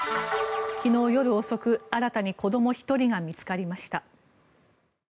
昨日夜遅く、新たに子ども１人が見つかりました。